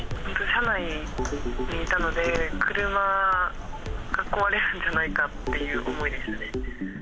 車内にいたので、車が壊れるんじゃないかっていう思いですね。